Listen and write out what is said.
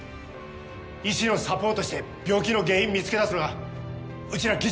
医師のサポートして病気の原因見つけ出すのがうちら技師の仕事だろ